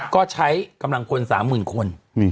ก็ใช้กำลังคน๓หมื่นคน